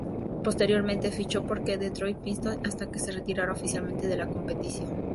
Posteriormente fichó por los Detroit Pistons hasta que se retirara oficialmente de la competición.